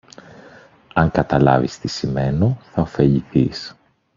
Αν καταλάβεις τι σημαίνω, θα ωφεληθείς